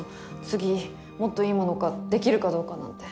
次もっといいものができるかどうかなんて。